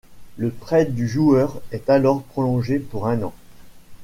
Le prêt du joueur est alors prolongé pour un an.